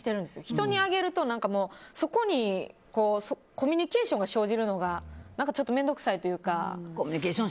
人にあげるとそこにコミュニケーションが生じるのがちょっと面倒くさいというか。